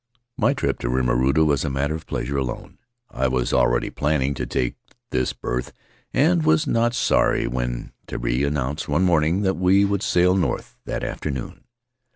My trip to Rimarutu was a matter of pleasure alone; I was already planning to take this berth, and was not sorry when Terii announced one morning that we would sail north that afternoon.